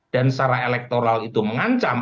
dan secara elektoral itu mengancam